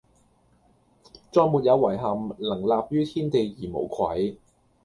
再沒有遺憾，能立於天地而無愧！